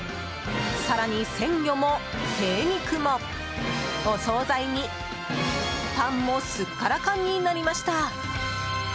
更に鮮魚も、精肉もお総菜に、パンもすっからかんになりました。